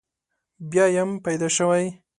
بیا یم پیدا شوی.